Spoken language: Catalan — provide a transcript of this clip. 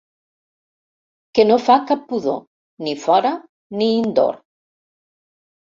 Que no fa cap pudor, ni fora ni indoor.